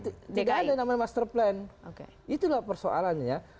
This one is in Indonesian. tidak ada yang namanya masterplan itulah persoalannya